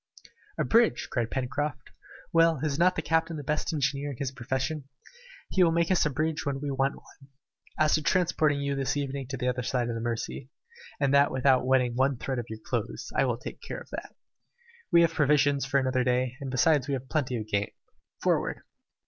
"A bridge!" cried Pencroft. "Well, is not the captain the best engineer in his profession? He will make us a bridge when we want one. As to transporting you this evening to the other side of the Mercy, and that without wetting one thread of your clothes, I will take care of that. We have provisions for another day, and besides we can get plenty of game. Forward!"